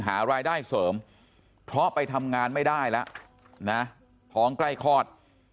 หารายได้เสริมเพราะไปทำงานไม่ได้แล้วนะท้องใกล้คลอด